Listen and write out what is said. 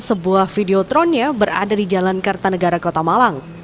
sebuah videotronnya berada di jalan karta negara kota malang